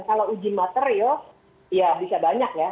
kalau uji material ya bisa banyak ya